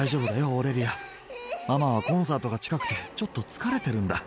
オーレリアママはコンサートが近くてちょっと疲れてるんだ